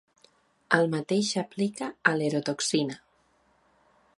El mateix s'aplica a l'"erotoxina".